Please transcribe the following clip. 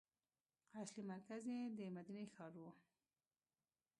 اصلي مرکز یې د مدینې ښار و.